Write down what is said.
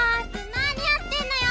なにやってんのよ！